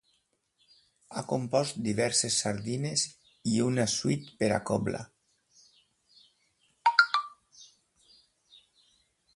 Ha compost diverses sardines i una suite per a cobla.